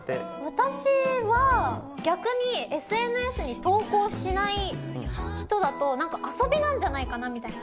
私は逆にＳＮＳに投稿しない人だと何か遊びなんじゃないかなみたいな。